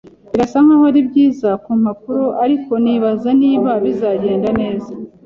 Birasa nkaho ari byiza ku mpapuro, ariko nibaza niba bizagenda neza.